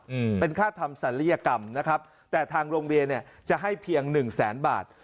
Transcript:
อืมเป็นค่าทำศัลยกรรมนะครับแต่ทางโรงเรียนเนี้ยจะให้เพียงหนึ่งแสนบาท